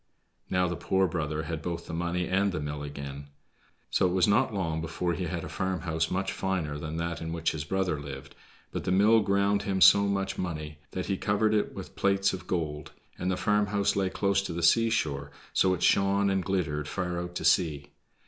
Now the poor brother had both the money and the mill again. So it was not long before he had a farmhouse much finer than that in which his brother lived, but the mill ground him so much money that he covered it with plates of gold; and the farmhouse lay close by the seashore, so it shone and glittered far out to sea.